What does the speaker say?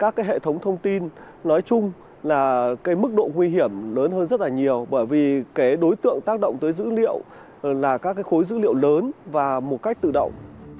với lại các hệ thống thông tin nói chung là mức độ nguy hiểm lớn hơn rất là nhiều bởi vì đối tượng tác động tới dữ liệu là các khối dữ liệu lớn và một cách tự động